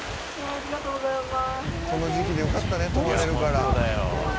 ありがとうございます。